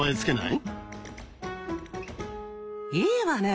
いいわね。